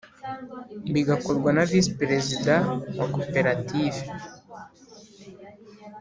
bigakorwa na Visi Perezida wa koperative